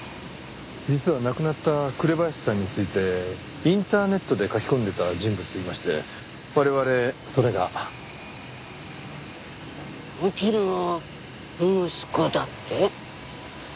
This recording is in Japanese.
実は亡くなった紅林さんについてインターネットで書き込んでいた人物がいまして我々それが。うちの息子だって？